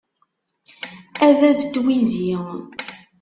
A bab n twizi.